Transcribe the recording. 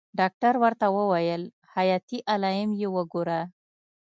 ډاکتر ورته وويل حياتي علايم يې وګوره.